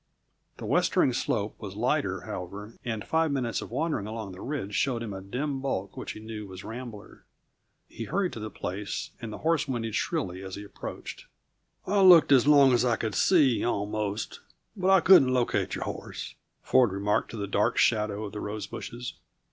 The westering slope was lighter, however, and five minutes of wandering along the ridge showed him a dim bulk which he knew was Rambler. He hurried to the place, and the horse whinnied shrilly as he approached. "I looked as long as I could see, almost, but I couldn't locate your horse," Ford remarked to the dark shadow of the rose bushes.